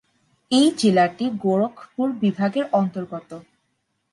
এই জেলাটি গোরখপুর বিভাগের অন্তর্গত।